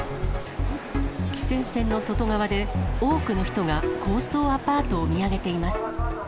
規制線の外側で多くの人が高層アパートを見上げています。